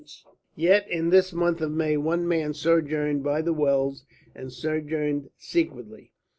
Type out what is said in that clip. Yet in this month of May one man sojourned by the wells and sojourned secretly.